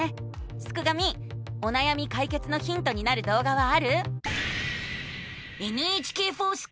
すくがミおなやみかいけつのヒントになるどう画はある？